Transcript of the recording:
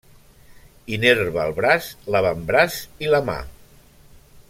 Innerva el braç, l'avantbraç i la mà.